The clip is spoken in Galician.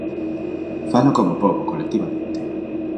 Falo como pobo, colectivamente.